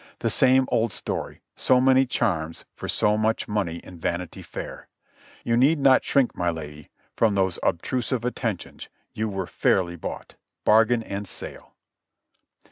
The same old story, so many charms for so much money in Vanity Fair! You need not shrink. my lady, from those obtrusive attentions, you were fairly bought ! Bargain and sale